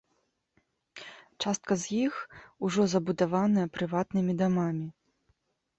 Частка з іх ўжо забудаваная прыватнымі дамамі.